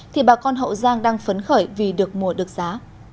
thì bà con hậu giang đang phấn khởi vì được mùa được giá